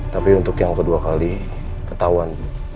tapi untuk yang kedua kali ketahuan